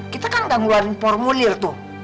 kita kan gak ngeluarin formulir tuh